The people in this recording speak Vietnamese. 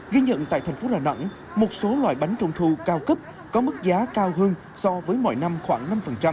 ghi nhận tại thành phố đà nẵng một số loại bánh trung thu cao cấp có mức giá cao hơn so với mọi năm khoảng năm